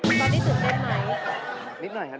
ตอนนี้ตื่นเต้นไหม